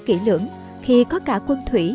kỹ lưỡng khi có cả quân thủy